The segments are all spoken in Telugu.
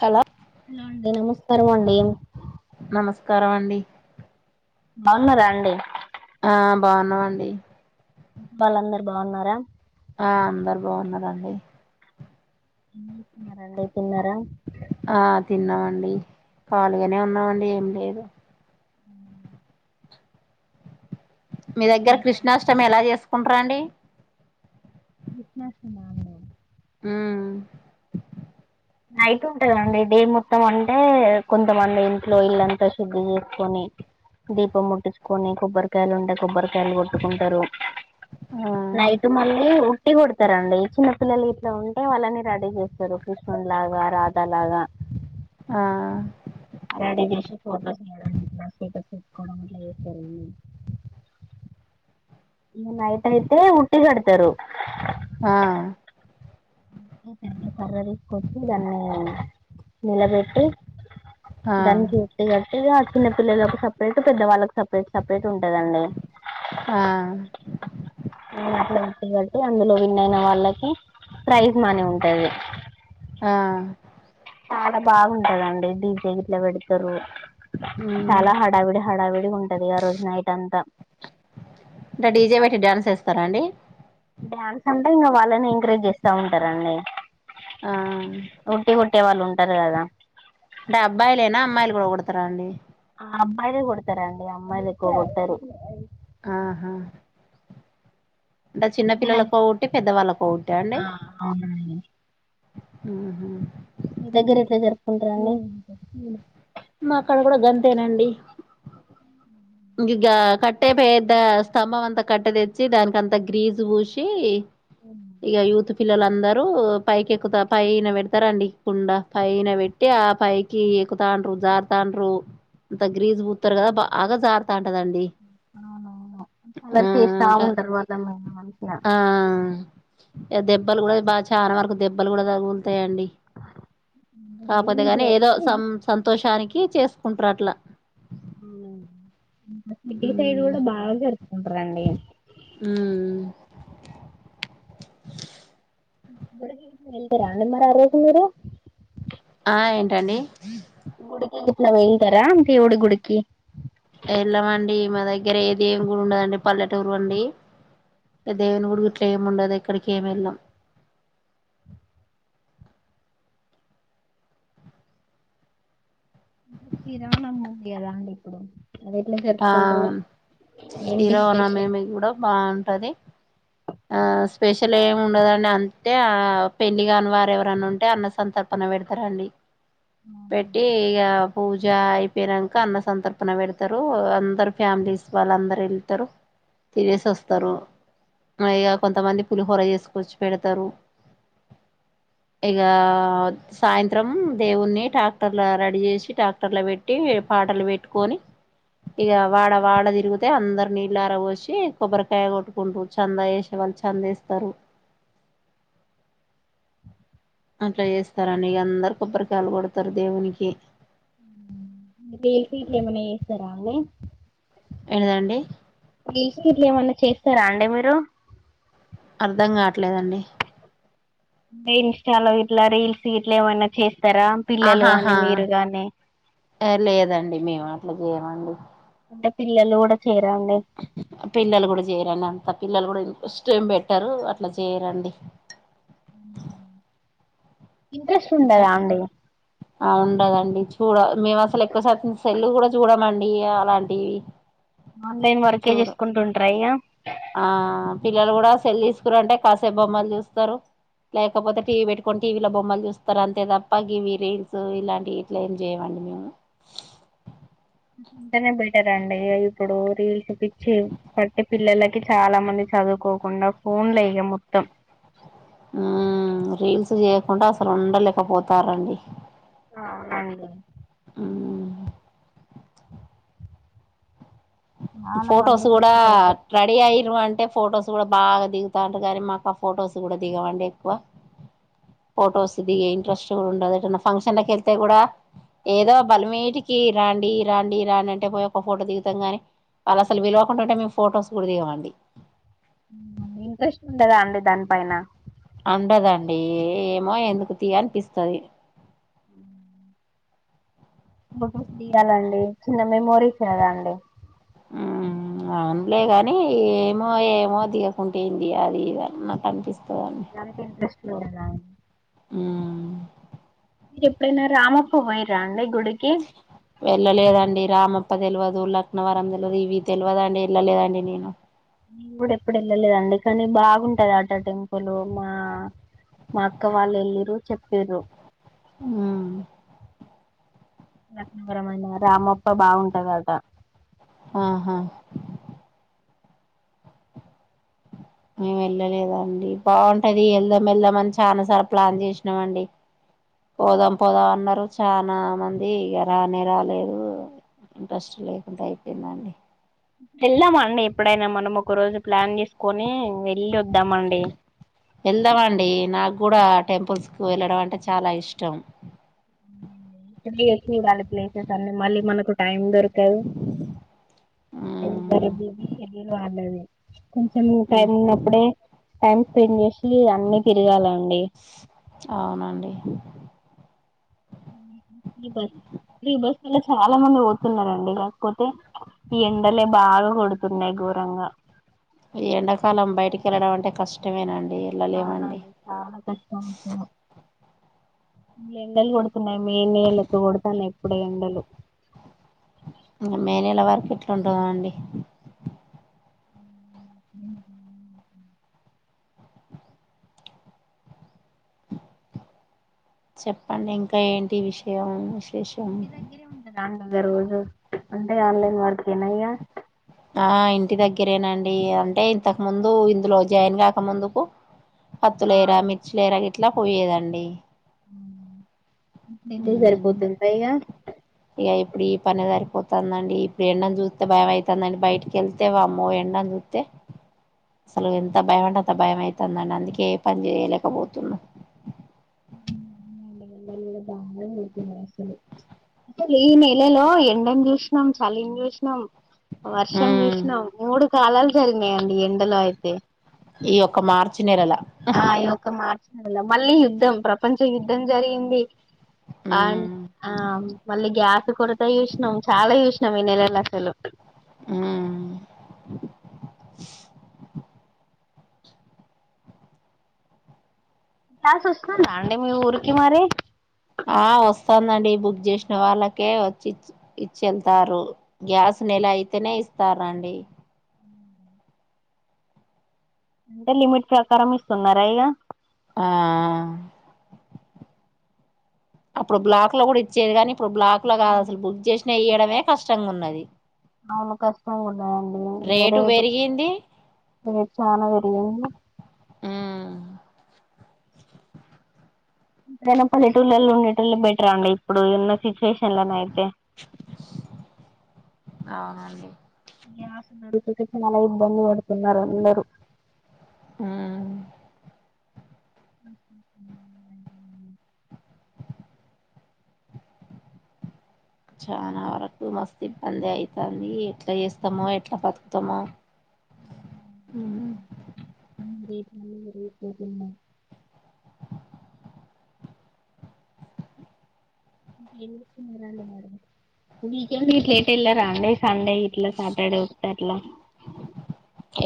హలో ఆ అండి నమస్కారమన్డి నమస్కారం అండి బావున్నారా అండి ఆ బాగున్నామం డి వాళ్ళందరు బాగున్నారా ఆ అందరు బాగున్నరండి మరి అండీ తిన్నరా ఆ తిన్నామండి పాలుగానే ఉన్నామండి ఏం లేదు ఊ మీ దగ్గర కృష్ణాష్టమి ఎలా చేస్ ఉంట్ర అండి కృష్ణాష్టమా ఊ నైట్ ఉంటుందండి డే మొత్తం అంటే కొంతమంది ఇంట్లో ఇల్లంతా శుద్ధి చేసుకొని దీపం ముట్టించుకొని కొబ్బరికాయలు ఉంటే కొబ్బరికాయలు కొట్టుకుంటరు నైట్ ఆ మళ్ళి ఉటిి కొడతర అండి ఈ చిన్నపిల్లలు ఇలా ఉంటే వాళ్ళని రెడీ చేస్తారు ఒ క్రిష్ ఉం లాగా రాధలాగా ఆ రెడీ చేసి ఫోటోస్ ఇగ దాని ఇట్ల స్టేటస్ చూసుకోడం ఇట్ల చేస్తారు ఇగ నైట్ అయితే ఉట్టి కడతరు అ ఏ సన్నీ కర్ర దే కొట్టి దాన్ని నిలబెట్టి ఆ దానికి ఉట్టి గట్టి ఇగ చిన్న పిల్లలకు సపరేట్ ఇ పెద్ద వాళ్ళ సప్ సపరేట్ సపరేట్ ఉంటదండి టి గడితే అందులో విన్ అయిన వాళ్ళకి ప్రైజ్ మనీ ఉంటది ఆ చాలా బాగుంటదండి డిజే గిట్ల పెడతారు ఉమ్ చాలా హడావిడి హడావిడి ఉంటది ఆ రోజు నైట్ అంతా తరండి డ్యాన్స్ అంటే ఇంక వాళ్ళనే ఎంకరేజ్ చేస్తా ఉంటారండి ఆ ట్టే వాళ్ళు ఉంటరు కదా అంటే అబ్బాయి లేన అమ్మాయిలు కూడా కొడతారా అండి అబ్మాయిలే కొడతారా అండి అమ్మాయిలు ఎక్కువ కొట్టరు ఆహా అంటే చిన్న పిల్లలకు ఒ ఉట్టి పెద్దవాళ్ళకో ఉట్టి ఆ అండి ఊహు మీ దగ్గర ఇట్ల జరుపుకుంటార అండీ మా కాడ కూడ గంతేనండి ఇగ కట్టే పెద్ద స్తంభం అంతా కట్టె తెచ్చి దానికంత గ్రీజు పూసి ఇగ యూత్ పిల్లలందరూ పైకి ఎక్కుత పైన పెడుతరు అండి కుండ. పైన పెట్టి ఆ పైకి ఎక్కుతాండ్రు జారుతాండ్రు అంత గ్రీజు పూతరు కదా బాగా జారు తాంట అండి అవునవును అల్లరి చేస్తా అంట ఉంటరు [unintelligible] ఆ దెబ్బలు గూడా బాగా చాలా వరకు దెబ్బలు గూడా తగులు తయి అండి కాపోతే ఈవినింగ్ గానీ ఏదో వరకు సం సంతోషానికి కి చేసుకుంట్రు అట్ల మ్మ్ సిటి సైడ్ ఉమ్ కూడా బాగా జర్ కుంటరండి మ్మూ వెళ్తురా అండి మరి ఆ రోజు మీరు? ఆ ఏంటండి? గుడికి అట్ల వెళ్తరా దేవుడు కి ఎళ్లమండి మా దగ్గర ఏది దేవుని గుడి ఉండదండి పల్లెటూరు అండి. దేవుని గుడి గిట్ల ఏముండదె క్కడికేం ఎళ్శం అంత తిరాణం ఉంది గదా అండి ఇప్పుడు. అది ఎట్లా ఆ జరుపుకుంటారు ఏంటి ఇరవన స్పెషల్ మేము గూడ బా టది ఆ స్పెషల్ ఏమి ఉండదండి. అంటే ఆ పెళ్లి కాని వారు ఎవరన్నా ఉంటే అన్న సంతర్పణ పెడతారండి. పెట్టి ఇగ పూజ అయిపోయినంక అన్న సంతర్పణ పెడుతరు. రు అందరు ఫ్యామిలీస్ వాళ్ళుందరు ఎళ్తరు. తినేసి వస్తారు మరి ఇగ కొంతమంది పులిహోర చేసుకొచ్చి పెడుతరు. ఇగా సాయంత్రం దేవుని ట్రాక్టర్ల రెడీ చేసి ట్రాక్టర్ లో పెట్టి పాటలు పెట్టుకొని ఇక వాడ వాడ తిరుగు తే అందరినీళ్లార పోసి, కొబ్బరికాయ కొట్టుకొని పోవచ్చు, చంద వేసే వాళ్ళు చందేస్తరు. అట్లా చేస్తారండి ఇగ అందరు కొబ్బరికాయలు కొడతారు దేవునికి. [unintelligible] ఏమన్న చేస్త ఏంటిదండి [unintelligible] బిస్కెట్లేమన్నా చేస్ స్తర అండి మీరు అర్ధం కాట్లేదండి ఇన్స్టాలో గిట్లా రీల్స్ గిట్లా ఏమైన్నా చేస్ ఆహాహా లేదండి మేము అట్ల చేయమండి అంటే పిల్లలు గూడ పిల్లలు గూడ చేయరు అలాంటి ప పిల్లలు గూడ ఫస్ట్ ఏం పెట్టరు అట్ల చేయరండి. మ్మ్ ఇంట్రెస్ట్ ఉండదా అండి ఉండదండి చూడ మేము అసలు ఎక్కువ శాతం సెల్లు కూడా చూడమండి అలాంటివి ఆన్లైన్ వరకే చూడు చేసుకుంటుంటార ఇక ఆ పిల్లలు కూడా సెల్ తీసుకుర అంటే కాసేపు బొమ్మలు చూస్తారు లేకపోతే టీవీ పెట్టుకొని టీవీల బొమ్మలు చూస్తారు అంతే తప్ప గీవి రీల్స్ ఇలాంటివి ఇట్ల ఏం చేయమండి మేము ఉంటేనే బెటర్ అండి ఇప్పుడు రీల్స్ పిచ్చి బట్టి పిల్లలకి చాలా మంది చదువుకోకుండా ఫోన్లే ఇగ మొత్తం ఉ రీల్స్ చేయకుండా అసలు ఉండలేకపోతారండి అవునండి మ్మ్ చాలా ఫోటోస్ మందికి కూడా ఇప్పుడైతే రెడి ఆయరు అంటే అంటే ఫొటోస్ కూడా బాగా దిగుతా ఉంటారు కానీ మాకు ఆ ఫొటోస్ కూడా దిగమండి. ఎక్కువ ఫొటోస్ దిగే ఇంట్రెస్ట్ కూడా ఉండదు. ఫంక్షన్ లకి వెళ్తే కూడా ఏదో బలమీటికి రాండి రాండి రాండి అంటే పోయి ఒక ఫోటో దిగుతాం. కాని వాళ్ళు అసలు పిలవకుండా ఉంటే మేము ఫొటోస్ కూడా దిగమండి దాని పైనా ఉండదండి ఏమో ఎందుకు తీ అనిపిస్తది ఫోటోస్ దిగాలండి చిన్న మెమోరీస్ కదా అండి ఊ అవున్ లే గాని ఏమో ఏమో దిగకుంటేఏంది అది ఇది అన్నట్టు అనిపిస్తది ఎకి ఇంట్రెస్ట్ లో ఉదా [unintelligible] ఆ మీరు ఎప్పుడైనా రామప్ప పోయిరా అండి గుడికి వెళ్ళలేదండి రామప్ప రామప్ప తెలవదు లక్నవరం తెలవదు ఇవి తెలవదుండి ఎల్ళలేదండి నేను నేను కూడా ఎప్పుడు వెళ్ళలేదండి కానీ బాగుంటది అట టెంపుల్ మా అక్క వాళ్ళు వెళ్ళిరు చెప్పిర్రు ఆ లక్నపురం ఐనా రామప్ప బాగుంటదట ఆహా మేం వెళ్లలేదండి బాగుంటది వెళ్దాం వెళ్దాం అని చానాసార్లు ప్లాన్ చేసినమండి. పోదాం పోదాం అన్నరు చానా మంది ఇగ రానే రాలేదు. ఇంట్రెస్ట్ లేకుండా అయిపొయిందండి. వెళ్దామా అండి ఎప్పుడైనా మనం ఒక రోజు ప్లాన్ చేసుకొని వెళ్లి వ వెళ్దాం అండి నాకు కూడా టెంపుల్స్ కి వెళ్లడం అంటే చాలా ఇష్టం. కొద్దిగ చూడాలి ప్లేసెస్ అన్ని మళ్లీ మనకు టైం దొరకదు ఎవ్వరి ఉమ్, బిజీ షెడ్యూల్ వాళ్లదే కొంచెం ఉమ్, టైం ఉన్నప్పుడే టైం స్పెండ్ చేసి అన్ని తిరగాలండీ అవునండి ఇగ ఫ్రీ బస్సులు చాలామంది పోతున్నారండి. కాకపోతే ఈ ఎండలే బాగా కొడుతున్నాయి ఘోరంగా. ఎండాకాలం బయటికి వెళ్లడం అంటే కష్టమేనండి. వెళ్ళలేమండి అవునండి చాలా కష్టమైతది ఎండలు కొడుతున్నాయి మే నెల లెక్క కొడుతున్నాయి ఇప్పుడే ఎండలు మే నెల వరకు ఎట్లుంటదో అండి చెప్పండి ఇంకా ఏంటి విషయం విషం నంద రోజు అంటే ఆన్లైన్ వర్క్ ఏనాయిగా ఆ ఇంటి దగ్గరే నండి అంటే ఇంతకుముందు ఇందులో జాయిన్ కాక ముందుకు పత్తులు ఏరా, మిర్చిలేరా గిట్ ట్ల పోయేదండి. మ్మ్ నిద్ర సరిపోతుందా ఇగ ఇగా ఇప్పుడు ఈ పని సరిపోతందండి. ఇప్పుడు ఎండను చూస్తే భయమయితాందండి. బయటికేళ్తే వామ్మో ఎండను జుత్తే. అస్సలు ఎంత భయమంటే అంత భయమైతాందండి. అందుకే ఏ పని జేయలేకపోతున్నా. ఉహ్మ్ ఎండలు కూడా బాగానే కొడుతున్నాయి అసలు. అసలు ఈ నెలలో ఎండను చూసినం, సాలిన్ చూసినం. వర్షం ఉమ్ చూసిన మూడు కాలాలు జరిగినయి అండి. ఈ ఎండలో అయితే ఈ ఒక మార్చి నెలలా నెలల మళ్లీ యుద్ధం, ప్రపంచ యుద్ధం జరిగింది. అవును ఉమ్ అవున మల్లి గ్యాస్ కూడాత చూసినం, చాలా చూసినం ఈ నెలల అసలు. హ్మ్ గ్యాస్ వస్తాందా అండి మీ ఊరికి మరి. ఆ వస్తాందండి బుక్ చేసిన వాళ్ళకె వచ్చి ఇచ్చి ఇచ్చేల్త్తారు. గ్యాస్ నెల అయితేనే ఇస్తారండి. అంటే లిమిట్ ప్రకారం ఇస్తున్నార. ఇగ ఆహ్ అప్పుడు బ్లాక్ లో కూడా ఇచ్చేది గానీ. ఇప్ ఇప్పుడు బ్లాక్లో అవును కాదసలు బుక్ చేస్ చేయడమే కష్టంగా ఉన్నది. అవును కష్టంగా ఉన్నదండి. ఇగ రేటు, ఇగా చానా పెరిగింది. ఉమ్ ఎంతైనా పల్లెటూర్లలో ఉండేటోళ్ళే బెటర్ అండి. ఇప్పుడున్న సిచ్ టెషన్లన్నాయితే అవునండి గ్యాస్ [unintelligible] నోటిఫికేషన్ చాలా ఇబ్బంది పడుతున్నారు. అందరూ హ్మ్ హ్మ్ హ్మ్ హు [inaudible] చాలా వరకు మస్తు ఇబ్బంది అయితంది. ఎట్లా చేస్తామో, ఎట్లా బతుకుతామో మల్లిరేట్ [inaudible] వీకెండ్ గిట్ల ఎట్ ఎల్లారండి. సండే గిట్లా సాటర్డే వతేట్లా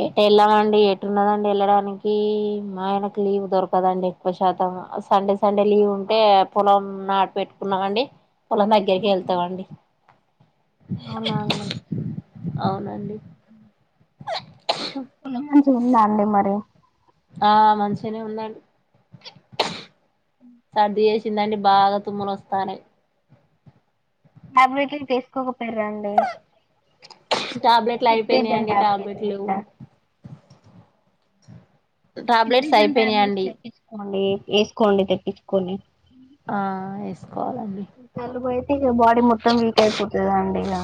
ఏటేళ్ళామండి. ఏటు ఉన్నదండి వెళ్ళడానికి మా ఆయనకు లీవ్ దొరకదండి. ఎక్కువ శాతం. ఆ సండే స్ సండే లీవ్ ఉంటే పొలం నాట్ పెట్టుకున్నామండి. పొలాం దగ్గరికి ఏళ్తావండి. అవునా అండి అవునండి పొలం మంచిగుంద అండి మరి ఆ మంచినే ఉందండి. సర్దిజేషి తినండి బాగా తుమ్ములు వస్తన్నాయ్ టాబ్లెటు ఏసుకోపో లేదంటే టాబ్లెట్లు సిట్రాజిన్ అయిపోయినాయండి టాబ్లెట్ టాబ్లెట్లు యేసుకు అ సిట్రజిన్ టాబ్లెట్స్ తెప్పంచుకోండి వేసుకోండి తెప్ ఏసుకోండి ఆ వేసుకోవాలండి లపోయి ఇగ బడి మొత్తం వీక్ అయిపోతదండి ఇగ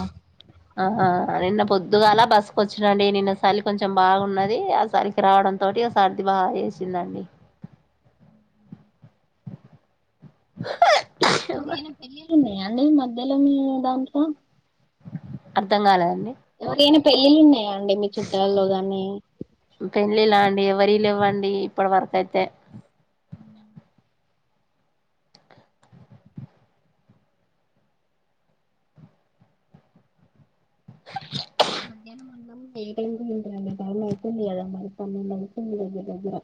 బస్కు వచ్చినండి నిన్న సలి కొంచెం బాగున్నది ఆ సలికి రావడం తోటి సర్ది బాగా చేసిందండి ఈరోజు ఎందన్న పెళ్ళిళ్ళు ఉన్నాయి ఏ అండి మధ్యలో దాంట్లో అర్ధం కాలేదండి ఎవరైనా పెళ్ళిళ్ళు ఉన్నాయా అండి మీ చుట్టాల్లో గాని పెళ్ళిలా అండి ఎవరి లేవ్ వ్వండి ఇప్పటి వరక అయితే మ్మ్ ఈ టైమ్ లో తింటున్నవే టైమ్ అయితుంది గద మరి పన్నెండు అయితుంది దగ్గర దగ్గర